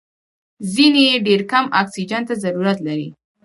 ځینې یې ډېر کم اکسیجن ته ضرورت لري.